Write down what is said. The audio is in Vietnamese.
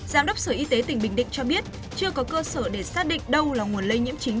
giám đốc sở y tế tỉnh bình định cho biết chưa có cơ sở để xác định đâu là nguồn lây nhiễm chính